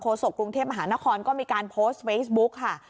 โศกกรุงเทพมหานครก็มีการโพสต์เฟซบุ๊กค่ะ